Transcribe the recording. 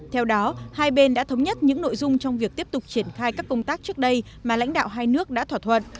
theo đó hai bên đã thống nhất những nội dung trong việc tiếp tục triển khai các công tác trước đây mà lãnh đạo hai nước đã thỏa thuận